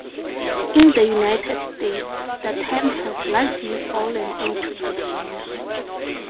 In the United States, the term has largely fallen into disuse.